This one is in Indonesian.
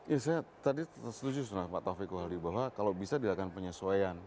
ya saya tadi setuju sebenarnya pak taufik wahli bahwa kalau bisa dilakukan penyesuaian